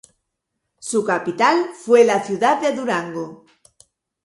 Su capital fue la ciudad de Durango.